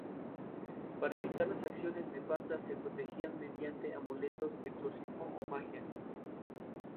Para evitar las acciones nefastas se protegían mediante amuletos, exorcismo o magia.